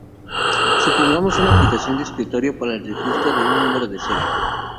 Supongamos una aplicación de escritorio para el registro de un número de serie.